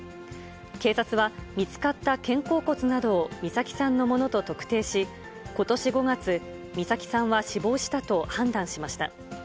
警察は、見つかった肩甲骨などを美咲さんのものと特定し、ことし５月、美咲さんは死亡したと判断しました。